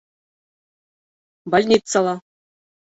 Больницала